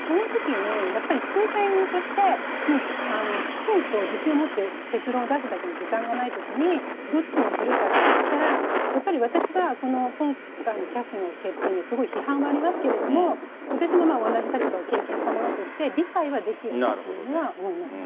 そのときに、やっぱり、仲裁人として、きちんと自信を持って結論を出すだけの時間がないときに、どっちにするかっていったら、やっぱり私は、この今回のＣＡＳの決定には、すごい批判はありますけれども、私も同じ立場を経験した者として、理解はできるなというのは思います。